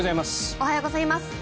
おはようございます。